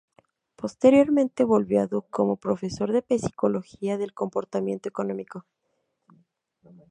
Posteriormente, volvió a Duke como profesor de psicología del comportamiento económico.